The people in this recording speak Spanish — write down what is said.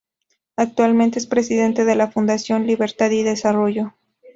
Actualmente es presidente de la Fundación Libertad y Desarrollo.